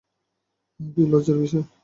আহ, কি লজ্জার বিষয়!